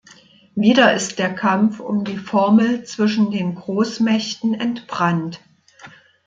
Wieder ist der Kampf um die Formel zwischen den Großmächten entbrannt.